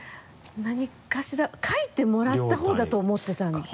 何かしら書いてもらった方だと思ってたので。